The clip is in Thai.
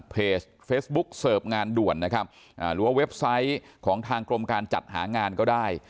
เพจเฟซบุ๊กเสิร์ฟงานด่วนนะครับหรือว่าเว็บไซต์ของทางกรมการจัดหางานก็ได้